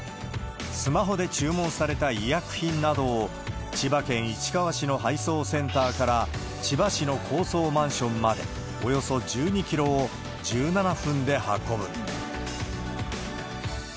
スマホで注文された医薬品などを、千葉県市川市の配送センターから千葉市の高層マンションまで、およそ１２キロを１７分で運ぶ。